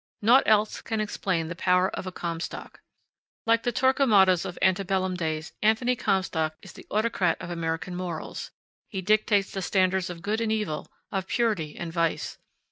Naught else can explain the power of a Comstock. Like the Torquemadas of ante bellum days, Anthony Comstock is the autocrat of American morals; he dictates the standards of good and evil, of purity and vice.